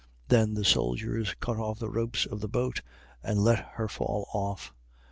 27:32. Then the soldiers cut off the ropes of the boat and let her fall off. 27:33.